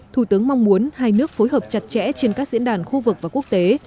thủ tướng mong muốn hai nước phối hợp chặt chẽ trên các diễn đàn khu vực và quốc tế